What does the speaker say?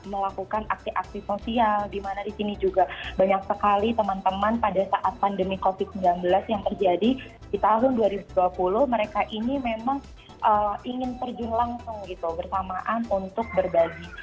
melakukan aksi aksi sosial di mana di sini juga banyak sekali teman teman pada saat pandemi covid sembilan belas yang terjadi di tahun dua ribu dua puluh mereka ini memang ingin terjun langsung gitu bersamaan untuk berbagi